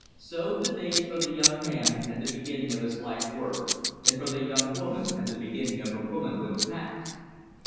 So the days for the young man at the beginning of his life work, and for the young woman at the beginning of her womanhood, passed.